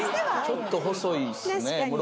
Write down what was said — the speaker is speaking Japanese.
ちょっと細いっすね。